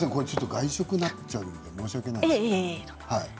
外食になっちゃって申し訳ないんですけど。